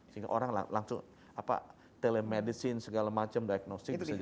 sehingga orang langsung telemedicine segala macam diagnosing